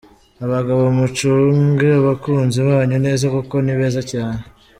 Abagabo mucunge abakunzi banyu neza kuko ni beza cyane.